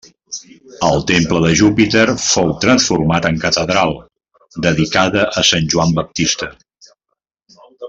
El temple de Júpiter fou transformat en catedral, dedicada a Sant Joan Baptista.